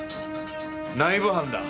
内部犯だ。